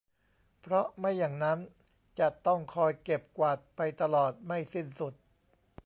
เพราะไม่อย่างนั้นจะต้องคอยเก็บกวาดไปตลอดไม่สิ้นสุด